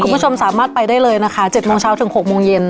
คุณผู้ชมสามารถไปได้เลยนะคะ๗โมงเช้าถึง๖โมงเย็น